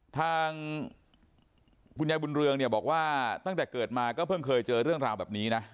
ทางคุณยายบุญเรืองเนี่ยบอกว่าตั้งแต่เกิดมาก็เพิ่งเคยเจอเรื่องราวแบบนี้นะ